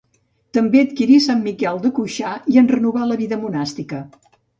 També adquirí Sant Miquel de Cuixà i en renovà la vida monàstica.